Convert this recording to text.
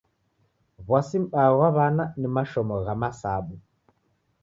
W'asi m'baa ghwa w'ana ni mashomo gha masabu.